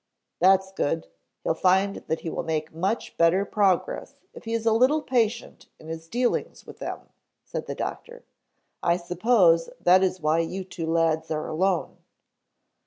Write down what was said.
"That's good. He'll find that he will make much better progress if he is a little patient in his dealings with them," said the doctor. "I suppose that is why you two lads are alone."